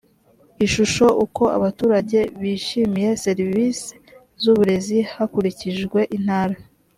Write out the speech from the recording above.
ishusho uko abaturage bishimiye serivisi z uburezi hakurikijwe intara